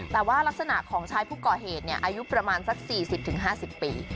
แต่ว่ารักษณะของชายผู้ก่อเหตุอายุประมาณสัก๔๐๕๐ปี